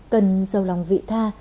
cần sâu lòng vị tha